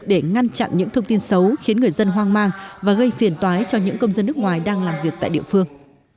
để ngăn chặn những thông tin xấu khiến người dân hoang mang và gây phiền toái cho những công dân nước ngoài đang làm việc tại địa phương